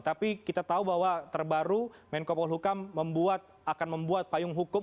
tapi kita tahu bahwa terbaru menko polhukam akan membuat payung hukum